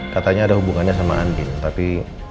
katanya ada hubungannya sama andin tapi